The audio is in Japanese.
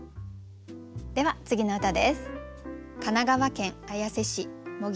では次の歌です。